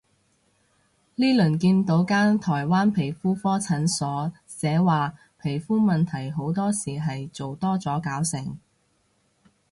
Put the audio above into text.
呢輪見到間台灣皮膚科診所，寫話皮膚問題好多時係做多咗搞成